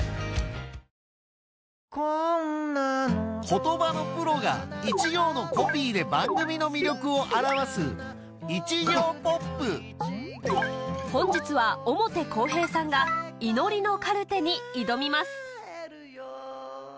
言葉のプロが一行のコピーで番組の魅力を表す本日は表公平さんが『祈りのカルテ』に挑みます